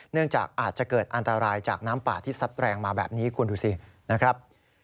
เนื่องจากอาจจะเกิดอันตรายจากน้ำป่าที่ซัดแรงมาแบบนี้คุณดูสินะครับ